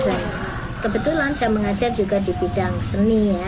dan kebetulan saya mengajar juga di bidang seni ya